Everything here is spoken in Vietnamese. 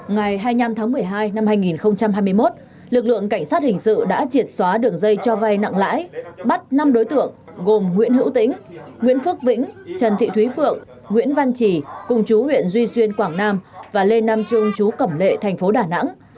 ngày hai mươi năm tháng một mươi hai năm hai nghìn hai mươi một lực lượng cảnh sát hình sự đã triệt xóa đường dây cho vay nặng lãi bắt năm đối tượng gồm nguyễn hữu tĩnh nguyễn phước vĩnh trần thị thúy phượng nguyễn văn trì cùng chú huyện duy xuyên quảng nam và lê nam trung chú cẩm lệ thành phố đà nẵng